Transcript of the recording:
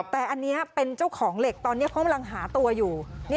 แต่อันนี้เป็นเจ้าของเหล็กตอนนี้เขากำลังหาตัวอยู่